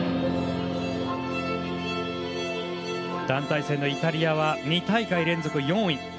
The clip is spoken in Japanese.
団体戦、イタリアは２大会連続４位。